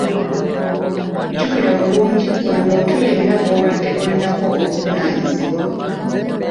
Jukira bulungi buli muntu yenna gw'obadde olinako obuvunaanyizibwa.